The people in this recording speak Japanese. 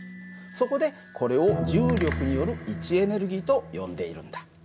そこでこれを重力による位置エネルギーと呼んでいるんだ。